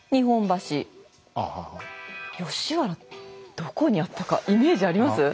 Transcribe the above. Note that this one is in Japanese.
どこにあったかイメージあります？